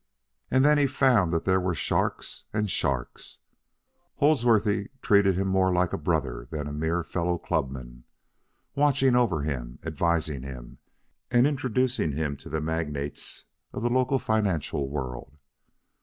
And then he found that there were sharks and sharks. Holdsworthy treated him more like a brother than a mere fellow clubman, watching over him, advising him, and introducing him to the magnates of the local financial world.